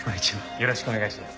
よろしくお願いします。